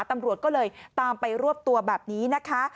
ตำรวจก็เลยตามไปรวบตัวแบบนี้นะคะ